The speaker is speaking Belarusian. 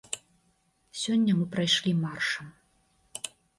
Сёння мы прайшлі маршам.